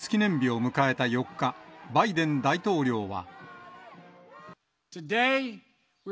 独立記念日を迎えた４日、バイデン大統領は。